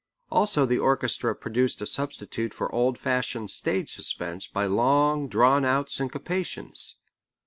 Also the orchestra produced a substitute for old fashioned stage suspense by long drawn out syncopations.